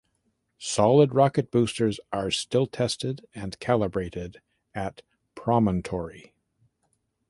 Solid rocket boosters are still tested and calibrated at Promontory.